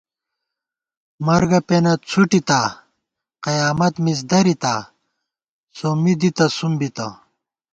مرگہ پېنہ څھُٹِتا، قیامَت مِز دَرِتا، سومّی دِتہ سُم بِتہ